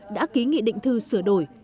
đã ký nghị định thư sửa đổi